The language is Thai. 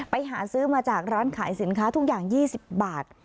ไปหาซื้อมาจากร้านขายสินค้าทุกอย่าง๒๐บาท